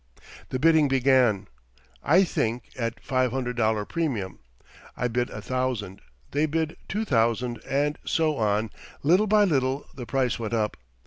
The bidding began, I think, at $500 premium. I bid a thousand; they bid two thousand; and so on, little by little, the price went up.